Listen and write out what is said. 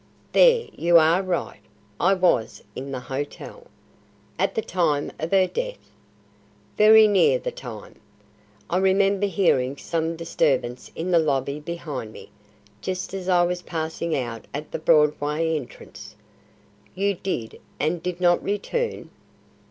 "There you are right; I was in the hotel." "At the time of her death?" "Very near the time. I remember hearing some disturbance in the lobby behind me, just as I was passing out at the Broadway entrance." "You did, and did not return?"